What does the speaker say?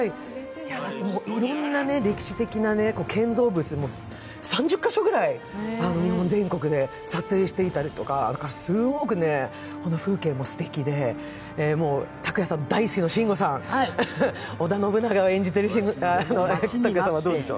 いろんな歴史的な建造物も３０か所ぐらい、日本全国で撮影したりとか、すごく風景もすてきで、拓哉さん大好きな慎吾さん、織田信長を演じている拓哉さんはどうでしょう？